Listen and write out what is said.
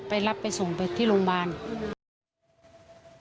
รับไปส่งไปที่โรงพยาบาล